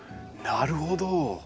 なるほど。